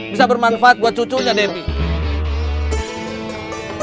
bisa bermanfaat buat cucunya nemby